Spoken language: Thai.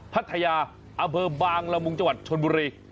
พัทยาอเบอร์บางละมุงจวัดชนบุรี